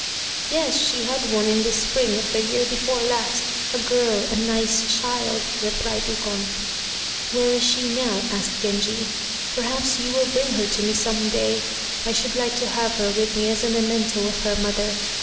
"Yes, she had one in the spring of the year before last a girl, a nice child," replied Ukon. "Where is she now?" asked Genji, "perhaps you will bring her to me some day. I should like to have her with me as a memento of her mother.